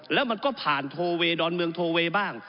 แล้วมันก็ผ่านโทเวดดอนเมืองโทเวย์บ้าง